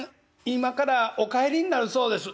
今からお帰りになるそうです」。